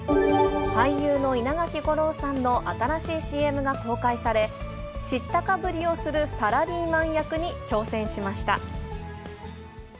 俳優の稲垣吾郎さんの新しいＣＭが公開され、知ったかぶりをするサラリーマン役に挑戦しました。